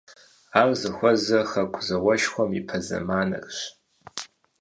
Ар зыхуэзэр Хэку зауэшхуэм ипэ зэманырщ.